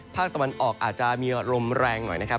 ภาคตะวันออกอาจจะมีลมแรงหน่อยนะครับ